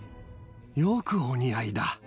よくお似合いだ。